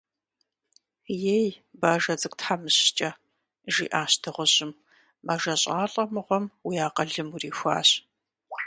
Ей, бажэ цӀыкӀу тхьэмыщкӀэ, – жиӀащ дыгъужьым, – мэжэщӀалӀэ мыгъуэм уи акъылым урихуащ.